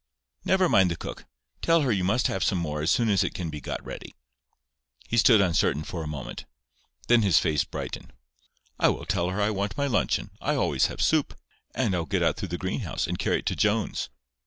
"Never mind the cook. Tell her you must have some more as soon as it can be got ready." He stood uncertain for a moment. Then his face brightened. "I will tell her I want my luncheon. I always have soup. And I'll get out through the greenhouse, and carry it to Jones."